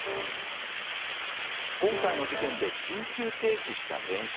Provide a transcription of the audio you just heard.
今回の事件で緊急停止した電車。